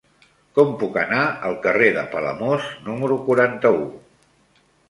Com puc anar al carrer de Palamós número quaranta-u?